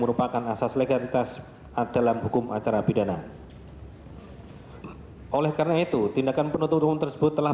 merupakan asas legalitas adalah hukum acara pidana oleh karena itu tindakan penutup tersebut telah